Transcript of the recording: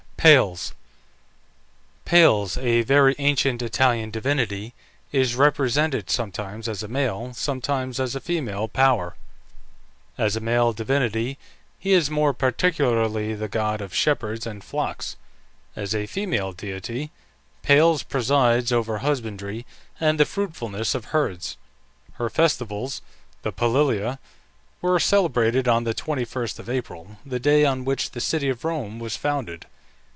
PALES. Pales, a very ancient Italian divinity, is represented sometimes as a male, sometimes as a female power. As a male divinity he is more particularly the god of shepherds and flocks. As a female deity, Pales presides over husbandry and the fruitfulness of herds. Her festivals, the Palilia, were celebrated on the 21st of April, the day on which the city of Rome was founded.